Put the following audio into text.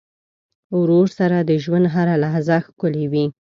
ورور سره د ژوند هره لحظه ښکلي وي.